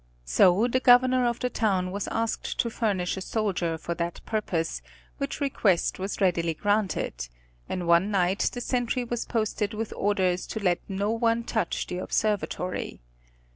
So the Governor of the town was asked to furnish a soldier for that purpose, which request was readily granted, and one night the sentry was posted with orders to let no one touch the observatory.